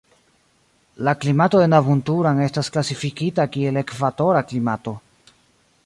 La klimato de Nabunturan estas klasifikita kiel ekvatora klimato.